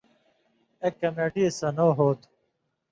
ایک کمیٹی سن٘دؤں ہوتُھو